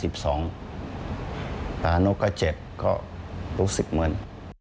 ตานกก็เจ็บก็รู้สึกเหมือน